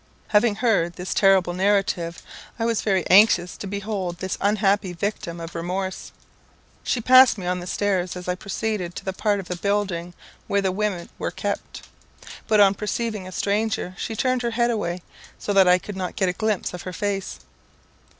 Having heard this terrible narrative, I was very anxious to behold this unhappy victim of remorse. She passed me on the stairs as I proceeded to the part of the building where the women were kept; but on perceiving a stranger, she turned her head away, so that I could not get a glimpse of her face.